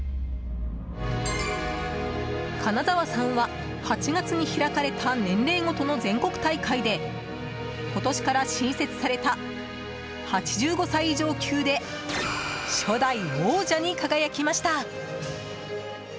金澤さんは８月に開かれた年齢ごとの全国大会で今年から新設された８５歳以上級で初代王者に輝きました。